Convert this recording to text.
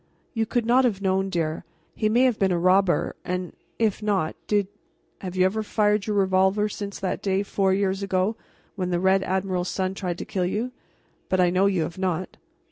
"You could not have known, dear. He may have been a robber, and if not did have you ever fired your revolver since that day four years ago when the Red Admiral's son tried to kill you? But I know you have not."